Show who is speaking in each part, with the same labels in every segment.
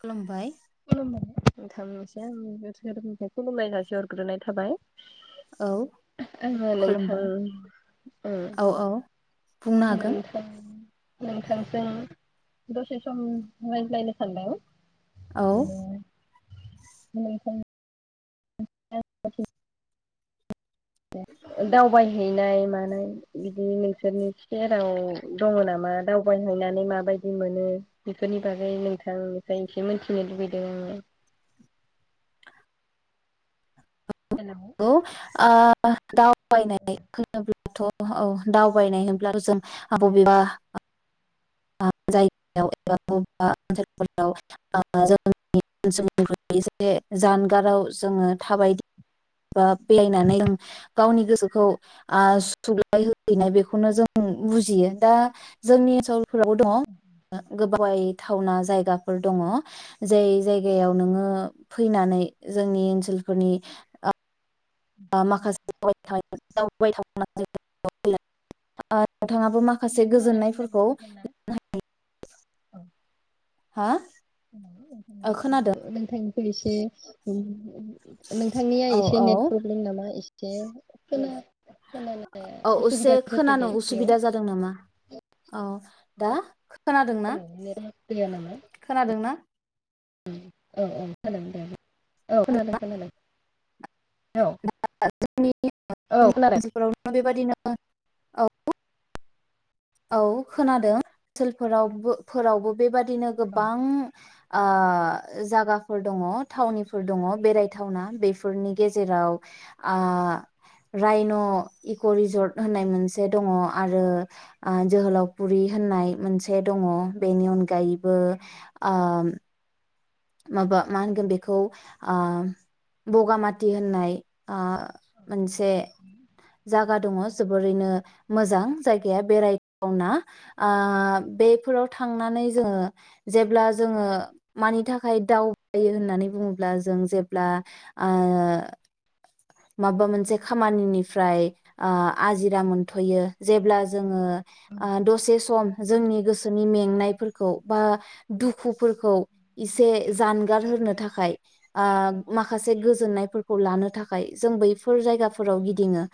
Speaker 1: खुलुम्बाइ।
Speaker 2: खुलुमबाय नोंथांनिसिम आंनि गोसो गोरनिफ्राय खुलुमनाय ससे हरग्रोनाय थाबाय।
Speaker 1: औ
Speaker 2: आङो नोंथां
Speaker 1: खुलुमबाय
Speaker 2: ओ
Speaker 1: औ औ। बुंनो हागोन
Speaker 2: [unintelligible] नोंथांजों द'से सम रायज्लायनो सानदों।
Speaker 1: औ
Speaker 2: बिदिनो [unintelligible] [unintelligible] दावबायहैनाय मानाय बिदि नोंसोरनि सेराव दङ नामा दावबायहैनानै माबायदि मोनो बेफोरनि बागै नोंथांनिफ्राय एसे मिथिनो लुबैदों आङो। हेलौ।
Speaker 1: औ ओ [unintelligible] दाथ' औ दावबायनाय होनब्लाथ' जों बबेबा जायगायाव एबा बबेबा ओनसोलफोराव ओ जों [unintelligible] एसे जानगाराव जोङो थाबायदि बा फायनानै गावनि गोसोखौ सु्लाय होहैनाय बेखौनो जों बुजियो दा जोंनि ओनसोल फोरावबो दङ गोबावाय थावना जायगाफोर दङ। जाय जायगायाव नोङो फैनानै जोंनि ओनसोलफोरनि माखासे [unintelligible] [unintelligible] नोंथाङाबो माखासे
Speaker 2: नेट मोनाखै नामा
Speaker 1: गोजोननायफोरखौ
Speaker 2: नोंथांना
Speaker 1: [unintelligible] हा?
Speaker 2: [unintelligible]
Speaker 1: ओ खोनादों
Speaker 2: फैसे उम नोंथांनिया
Speaker 1: औ
Speaker 2: एसे
Speaker 1: औ
Speaker 2: नेट प्रब्लेम नामा एसे [unintelligible] खोनानाया
Speaker 1: औ एसे
Speaker 2: असुबिदा जाफैदों
Speaker 1: खोनानो
Speaker 2: बेयाव
Speaker 1: उसुबिदा जादों नामा? औ दा खोनादोंना?
Speaker 2: औ नेट गैया नामा
Speaker 1: खोनादोंना?
Speaker 2: औ औ [unintelligible] औ खोनादों खोनादों औ
Speaker 1: [unintelligible]
Speaker 2: औ खोनादों औ
Speaker 1: ओनसोलफोराव बेबायदिनो औ औ खोनादों ओनसोलफोराव फोरावबो बेबादिनो गोबां ओ जागाफोर दङ थावनिफोर दङ बेरायथावना बेफोरनि गेजे‌ जेराव ओ रायन' इक' रिजर्ट होननाय मोनसे दङ आरो जोहोलावफुरि होननाय मोनसे दङ बेनि अनगायैबो ओ माबा मा होनगोन बेखौ ओ बगामाथि होननाय ओ मोनसे जागा दङ जोबोरैनो मोजां जायगाया बेरायथावना ओ बेफोराव थांनानै जोङो जेब्ला जोङो मानि थाख खाय दावबायो होननानै बुङोब्ला जों जेब्ला ओ माबा मोनसे खामानिनिफ्राय आजिरा मोनथ'यो जेब्ला जोङो ओ दसे सम जोंनि गोसो जोंनि मेंनायफोरखौ बा दुखु फोरखौ इसे जानगार होनो थाखाय ओ माखासे गोजोननायफोरखौ लानो थाख जों बैफोर जायगाफोराव गिदिङो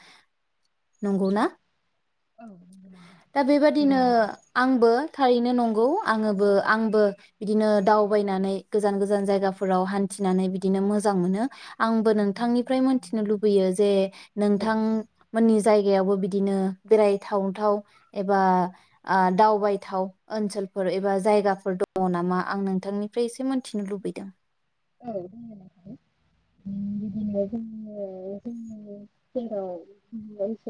Speaker 1: नंगौ ना?
Speaker 2: नंगौ नोंथां।
Speaker 1: बो थारैनो नंगौ आङो बो आंबो बिदिनो दावबायनानै गोजान गोजान जायगाफोराव हान्थिनानै बिदिनो मोजां मोनो आंबो नोंथांनि फ्राय मोनथिनो लुबैयो जे नोंथां मोननि जायगायावबो बिदिनो बेरायथावथाव एबा ओ दावबायथाव ओनसोलफोर एबा जायगाफोर दङ नामा आं नोंथांनिफ्राय एसे मिथिनो लुबैदों।
Speaker 2: औ [unintelligible] ओनसोलाव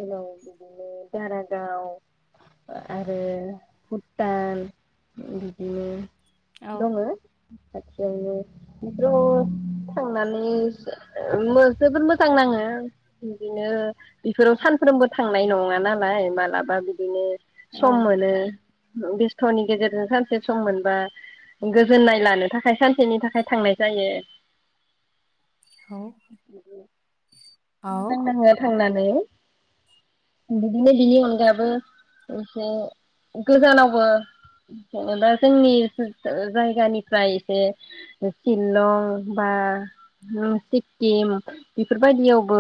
Speaker 2: बिदिनो दारागाव आरो भुटान बिदिनो
Speaker 1: औ
Speaker 2: दङो खाथियावनो बिफोराव थांनानै ज ओ मो जोबोद मोजां नाङो बिदिनो बिफोराव सानफ्रोमबो थांनाय नङा नालाय मालाबा बिदिनो
Speaker 1: औ
Speaker 2: सम मोनो बेस्थनि गेजेरजों सानसे सम मोनबा गोजोननाय लानो थाखाय सानसेनि थाखाय थांनाय जायो।
Speaker 1: औ
Speaker 2: मोजां नाङो थांनानै [unintelligible] बिदिनो बिनि अनगाबो एसे गोजानावबो जेनेबा जोंनि जायगानिफ्राय एसे सिलं बा ओम सिक्किम बिफोरबायदियावबो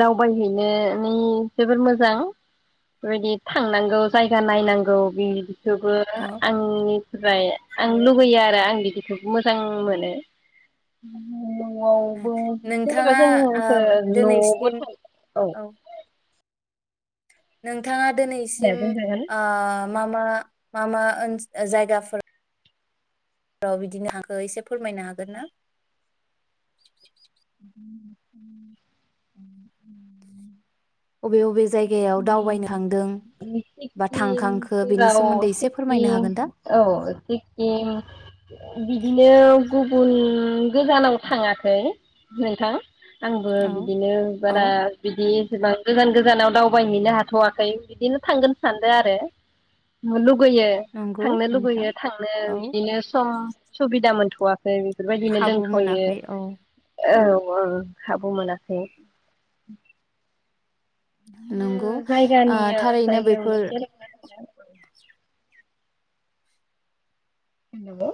Speaker 2: दावबायहैनानै जोबोद मोजां बेबायदि थांनांगौ जायगा नायनांगौ बि थेवबो
Speaker 1: औ
Speaker 2: आंनिफ्राय आं लुगैयो आरो आं बिदिखोबो मोजां मोनो। न'आवबो जेनेबा
Speaker 1: नोंथाङा
Speaker 2: जोङो
Speaker 1: ओ
Speaker 2: फो न'आवबो
Speaker 1: दिनैसिम
Speaker 2: थां औ।
Speaker 1: नों नोंथाङा
Speaker 2: दे
Speaker 1: दोनैसिम ओ मा मा मा मा ओनस जायगाफोर राव बिदिनो हांखो इसे फोरमायनो हागोन ना? अबे अबे जायगायाव दावबायनो थांदों बा थांखांखो बेनि
Speaker 2: सिक्किमफोराव
Speaker 1: सोमोन्दै एसे फोरमायनो
Speaker 2: सिक्किम
Speaker 1: हागोन दा?
Speaker 2: औ सिक्किम बिदिनो गुबुन गोजानाव थाङाखै। नोंथां आंबो
Speaker 1: औ
Speaker 2: बिदिनो
Speaker 1: औ
Speaker 2: बारा बिदि सेबां गोजान गोजानाव दावबायहैनो हाथ'वाखै बिदिनो थांगोन सानदों आरो मुलुग बैयो
Speaker 1: नंगौ
Speaker 2: थांनो
Speaker 1: नोंथां
Speaker 2: लुुबैयो थांनो
Speaker 1: औ
Speaker 2: इदिनो सम सुबिदा मोनथ'वा खै बेफोरबायदिनो
Speaker 1: खाबु
Speaker 2: दोंथ'यो।
Speaker 1: मोनाखै औ
Speaker 2: औ ओं खाबु मोनाखै।
Speaker 1: नोंगौ
Speaker 2: बिदिनो
Speaker 1: आ
Speaker 2: जायगानि
Speaker 1: थारैनो
Speaker 2: जायगायावनो
Speaker 1: बेफोर
Speaker 2: जेरायना थांनाय। नोंगौ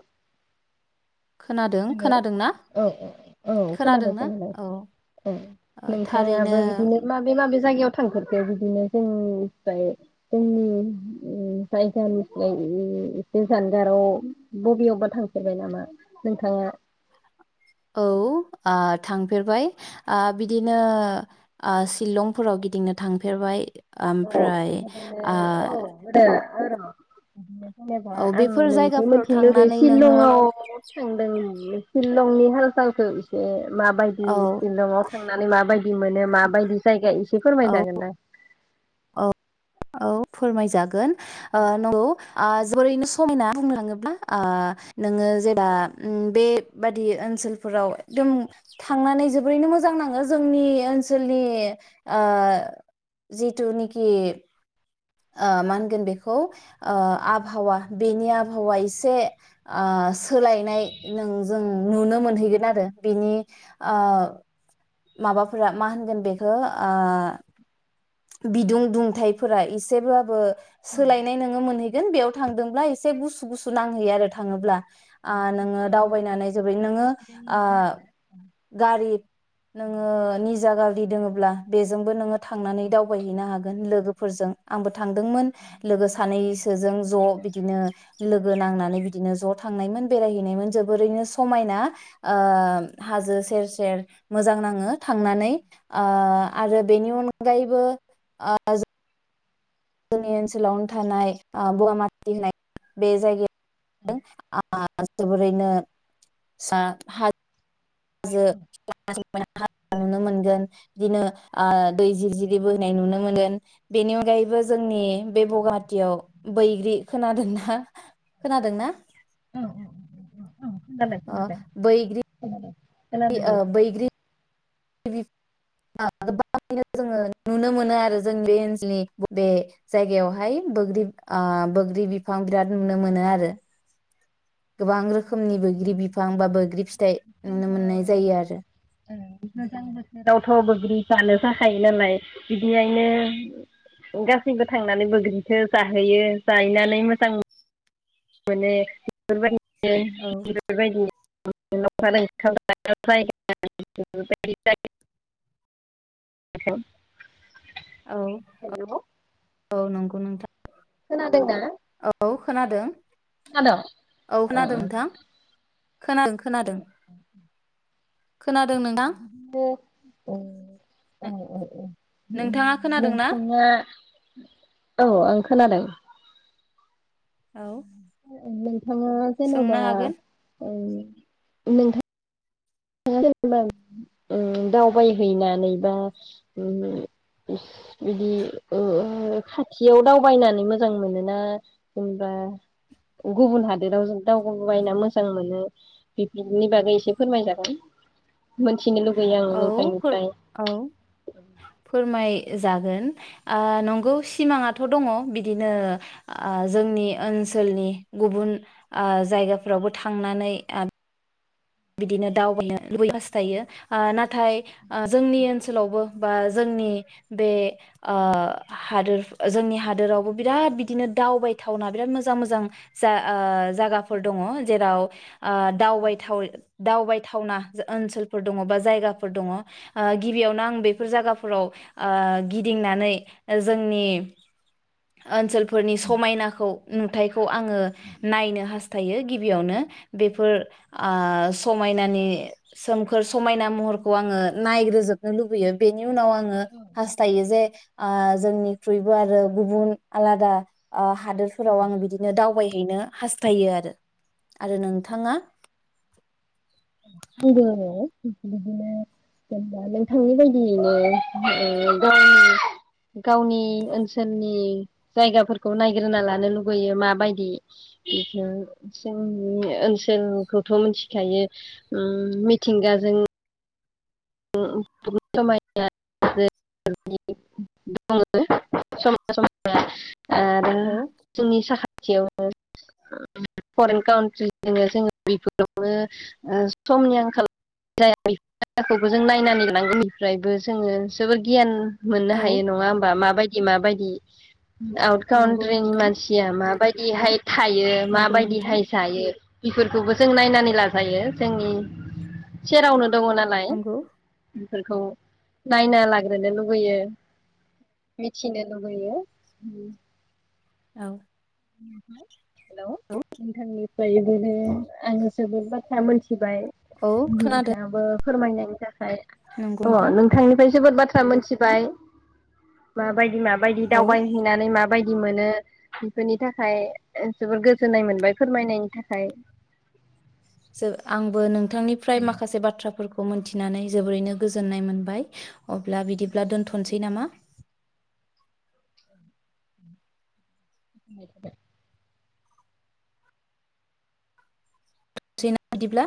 Speaker 1: खोनादों
Speaker 2: हेल' औ
Speaker 1: खोनादोंना
Speaker 2: औ औ खोनादों
Speaker 1: खोनादोंना
Speaker 2: खोनादों
Speaker 1: औ
Speaker 2: औ
Speaker 1: ओ
Speaker 2: नोंथाङाबो बिदिनो
Speaker 1: थारैनो
Speaker 2: माबे माबे जायगायाव थांफेरदो बिदिनो जोंनिफ्राय जोंनि उम जायगानिफ्राय एसे जानगाराव बबेयावबा थांफेरबाय नामा? नोंथाङा
Speaker 1: औ आ थांफेरबाय आ बिदिनो आ सिलंफोराव गिदिंनो थांफेरबाय।
Speaker 2: [inaudible] आरो
Speaker 1: ओमफ्राय ओ
Speaker 2: बिदिनो जेनेबा
Speaker 1: औ
Speaker 2: आङो
Speaker 1: बेफोर
Speaker 2: नोंनिफ्राय
Speaker 1: जायगाफोराव
Speaker 2: मोनथिनो लुगैयो
Speaker 1: थांनानै नोङो
Speaker 2: सिलंआव थांदों सिलंनि हाल सालखौ इसे माबायदि
Speaker 1: औ
Speaker 2: सिलंआव थांनानै माबायदि मोनो माबायदि जायगा एसे एसे
Speaker 1: औ
Speaker 2: फोरमायजागोन दां।
Speaker 1: औ औ फोरमायजागोन ओ नंगौ जोबोरैनो समायना बुंलाङोब्ला ओ नोङो जेब्ला उम बेबादि ओनसोलफोराव एकदम थांनानै जोबोरैनो मोजां नाङो जोंनि ओनसोलनि ओ जि जिथुनिखि ओ मा होनगोन बेखौ ओ आबहावा बेनि आबहावा एसे ओ सोलायनाय नों जों नुनो मोनहैगोन आरो बेनि ओ माबाफोरा मा होनगोन बेखौ ओ बिदुं दुंथफोरा एसेब्लाबो सोलायनाय नोङो मोनहैगोन बेयाव थांदोंब्ला एसे गुसु गुसु सु नांहैयो आरो थाङोब्ला आ नोङो दावबायनानै जोबाय नोङो ओ गारि नोङो निजा गारि दङोबब्ला बेजोंबो नोङो थांनानै दावबायहैनो हागोन लोगोफोरजों आंबो थांदोंमोन लोगो सानैसो जों ज' बिदिनो लोगो नांनानै बिदिनो ज' थांनायमोन बेरायहैनायमोन जोबोरैनो समायना हाजो सेर सेर मोजां नाङो थांनानै आरो बेनि अनगायै ब आ [unintelligible] जोंनि ओनसोलावनो थानाय बगामाथि होननाय बे जायगायाव आ जोबोरैनो स ह [unintelligible] हाजो समायना समायना नुनो मोनगोन बिदिनो दै जिरजिरि बोहैाय नुनो मोनगोन बेनि अनगायैबो जोंनि बे बगाहाटियाव बैग्रि खोनादोंना खोनादोंना?
Speaker 2: खोनादों
Speaker 1: अ बैग्रि
Speaker 2: खोनादों खोनादों औं।
Speaker 1: गोबाङनो जोङो नुनो मोनो आरो जों बे ओनसोलनि बे जायगायावहाय बैग्रि ओ बैग्रि बिफां बिराद नुनो मोनो आरो गोबां रोखोमनि बैग्रि बिफां बा बैग्रि फिथाइ नुनो मोननाय जायो आरो
Speaker 2: मोजां बोसोरावथ' बैग्रि जानो थाखाय नालाय बिदिहायनो गासैबो थांनानै बग्रिखौ जाहोयो जाहनानै मोजां
Speaker 1: औ
Speaker 2: मोनो बैफोरबायदि बेबायदि [unintelligible]
Speaker 1: औ ओ औ नंगौ नोंथां
Speaker 2: खोनादों ना?
Speaker 1: औ खोनादों औ
Speaker 2: ओ
Speaker 1: खोनादों नोंथां खोनादों खोनादों खोनादों नोंथां?
Speaker 2: दे उम उम उम
Speaker 1: नोंथाङा खोनादों ना?
Speaker 2: नोंथाङा औ आं खोनादों
Speaker 1: औ
Speaker 2: नोंथाङा जेन'बा ओम नोंथां [unintelligible] ओ दावबायहैनानै बा ओ बिदि ओ खाथियाव दावबायनानै मोजां मोनोना जेनेबा गुबुन हादोराव दावबायना मोजां मोनो बिफोरनि बागै एसे फोरमायजागोन [unintelligible] मोनथिनो लुगैयो आं
Speaker 1: औ फोर
Speaker 2: नोंथांनिफ्राय
Speaker 1: औ फोरमाय जागोन ओ नंगौ सिमाङाथ' दङ बिदिनो ओ जोंनि ओनसोलनि गुबुन ओ जायगाफोरावबो थांनानै बिदिनो दावबायनो लुबैयो हास्थायो ओ नाथाय ओ जोंनि ओनसोलावबो बा जोंनि बे ओ हादोर जोंनि हादोरावबो बिराद बिदिनो दावबायथावना बिराद मोजां-मोजां जा ओ जायगाफोर दङ जेराव ओ ओदावबायथाव दावबायथावना ओनसोलफोर दङ बा जायगाफोर दङ ओ गिबियावनो आं बेफोर जायगाफोराव ओ गिदिंनानै जोंनि ओनसोलफोरनि समायनाखौ नुथायखौ आङो नायनो हास्थायो गिबियावनो बेफोर ओ समायनानि सोमखोर समायना महरखौ आङो नायग्रोजोबनो लुबैयो बेनि बेनि उनाव आङो हास्थायो जे ओ जोंनिख्रुइबो आरो गुबुन आलादा ओ हादोरफोराव आङो बिदिनो दावबाय हैनो हास्थायो आरो आरो नोंथाङा
Speaker 2: आंबो बिदिनो जेनेबा नोंथांनि बायदियैनो गावनि-गावनि ओनसोलनि जायगाफोरखौ नायग्रोना लानो लुबैयो माबायदि बेखौ जोंनि ओनसोलखौथ' मिथिखायो ओम मिथिंगाजों [unintelligible] आरो
Speaker 1: औ
Speaker 2: जोंनि साखा थियावनो फरेन कान्ट्रिजोंनो जोङो बेफोरावनो समनि आंखाल जाया [unintelligible] जों नायना [unintelligible] जोङो जोबोर गियान मोननो
Speaker 1: औ
Speaker 2: हायो नङा होमबा माबायदि - माबायदि दि आउट
Speaker 1: नंगौ
Speaker 2: काउट्रिनि
Speaker 1: नोंथां
Speaker 2: मानसिया माबायदिहाय थायो
Speaker 1: नंगौ नोंथां
Speaker 2: माबायदिहाय जायो बेफोरखौबो जों नायनानै लाजायो जोंनि सेरावनो दङ नालाय
Speaker 1: नंगौ
Speaker 2: बेफोरखौ नायना लाग्रोनो लुबैयो मिथिनो लुबैयो
Speaker 1: औ
Speaker 2: [inaudible] हेल' नोंथांनि [unintelligible] आङो जोबोद बाथ्रा मोनथि मोनथिबाय
Speaker 1: औ खोनादों
Speaker 2: नोंथाङाबो फोरमायनायनि जाहोन फाय
Speaker 1: नंगौ
Speaker 2: अ
Speaker 1: नोंथां
Speaker 2: नोंथांनिफाय जोबोद बाथ्रा थ्रा मिथिबाय एबा बायदि माबायदि
Speaker 1: औ
Speaker 2: दावबायहैनानै माबायदि बायदि मोनो बेनि थाखाय जोबोर गोजोननाय मोनबाय फोरमायनायनि थाखाय
Speaker 1: जो आंबो नों नोंथांनिफ्राय माखासे बाथ्राफोरखौ खौ मोनथिनानै जोबोरैनो गोजोननाय मोनबाय अब्ला बिदिब्ला दोनथ'नसै नामा
Speaker 2: [inaudible]
Speaker 1: थनोनसै ना बिदिब्ला